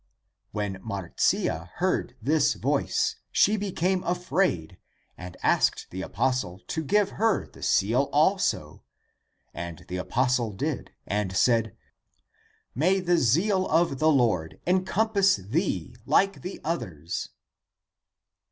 " When Mar cia heard this voice, she became afraid, and asked the apostle to give her the seal also, and the apostle did, and said, " May the zeal of the Lord encom pass thee like the others!